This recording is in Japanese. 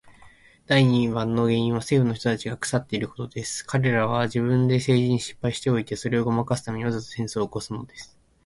第二番目の原因は政府の人たちが腐っていることです。彼等は自分で政治に失敗しておいて、それをごまかすために、わざと戦争を起すのです。